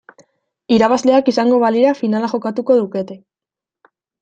Irabazleak izango balira finala jokatuko lukete.